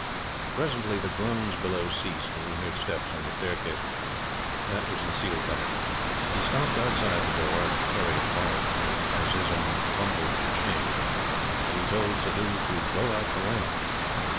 Presently, the groans below ceased, and we heard steps on the staircase. That was the seal cutter. He stopped outside the door as the terrier barked and Azizun fumbled at the chain, and he told Suddhoo to blow out the lamp.